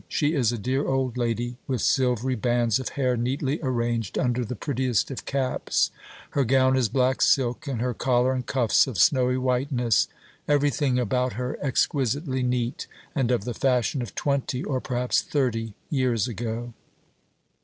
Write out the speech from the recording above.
She is a dear old lady, with silvery bands of hair neatly arranged under the prettiest of caps. Her gown is black silk, and her collar and cuffs of snowy whiteness; everything about her exquisitely neat, and of the fashion of twenty, or perhaps thirty, years ago.